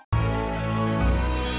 sampai jumpa lagi